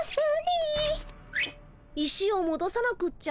石をもどさなくっちゃ。